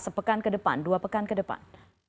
sepekan ke depan dua pekan ke depan